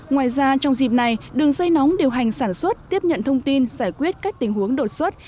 ngoài ra trong dịp này đường dây nóng điều hành sản xuất tiếp nhận thông tin giải quyết các tình huống đột xuất